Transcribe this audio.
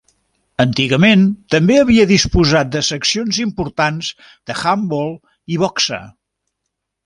Antigament també havia disposat de seccions importants d'handbol i boxa.